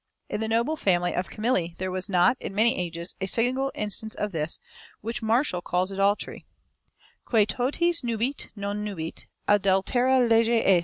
In the noble family of Camilli there was not, in many ages, a single instance of this, which Martial calls adultery: _Quae toties nubit, non nubit; adultera lege est."